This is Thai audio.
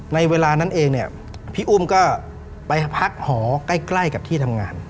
ในเวลานั้นเองเนี่ยพี่อุ้มก็ไปพักหอใกล้กับที่ทำงาน